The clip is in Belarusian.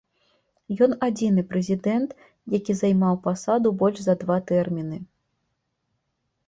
Ён адзіны прэзідэнт, які займаў пасаду больш за два тэрміны.